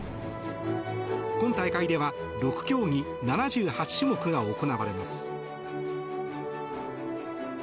今大会では６競技７８種目が行われます。